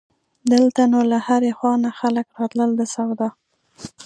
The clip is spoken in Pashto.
دلته نو له هرې خوا نه خلک راتلل د سودا.